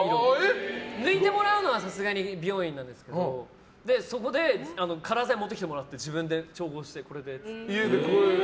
抜いてもらうのは美容院なんですけどそこでカラー材持ってきてもらって自分で調合してこれでって。